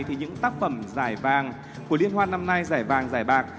thì những tác phẩm giải vàng của liên hoan năm nay giải vàng giải bạc